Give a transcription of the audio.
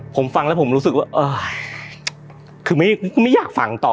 ผมฟังแล้วผมรู้สึกว่าเออคือไม่อยากฟังต่อ